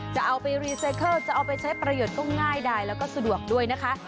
จะเอาไปรีไซเคิลจะเอาไปใช้ประโยชน์ก็ง่ายดายแล้วก็สะดวกด้วยนะคะ